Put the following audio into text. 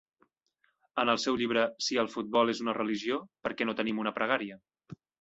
En el seu llibre "Si el futbol és una religió, per què no tenim una pregària?"